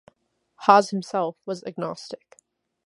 Has himself was agnostic.